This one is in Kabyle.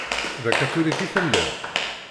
D akatulik i telliḍ?